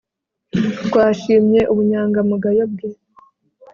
twashimye ubunyangamugayo bwe